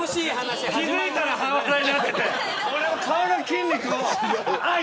気づいたら半笑いになってて。